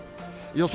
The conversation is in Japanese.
予想